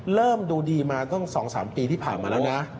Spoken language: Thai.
เริ่มดูดีมาตั้ง๒๓ปีที่ผ่านมาแล้วนะ